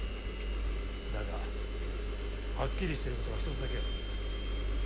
だがはっきりしてることが一つだけある。